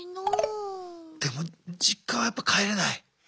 でも実家はやっぱ帰れない？